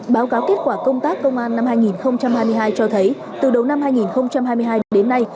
báo cáo kết quả công tác công an năm hai nghìn hai mươi hai cho thấy từ đầu năm hai nghìn hai mươi hai đến nay